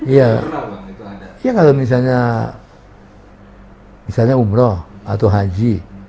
ya kalau misalnya umrah atau haji